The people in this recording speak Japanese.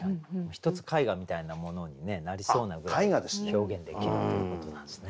一つ絵画みたいなものになりそうなぐらい表現できるっていうことなんですね。